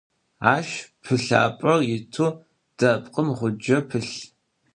Aş pılhap'er yit, depkhım ğunce pılh.